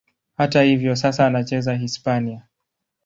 Hata hivyo, sasa anacheza Hispania.